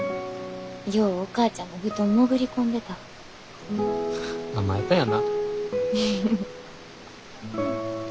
ようお母ちゃんの布団潜り込んでたわ。甘えたやな。